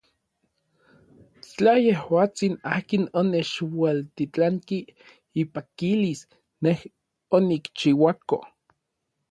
Tla yejuatsin akin onechualtitlanki ipakilis nej onikchiuako.